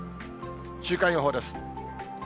週間予報です。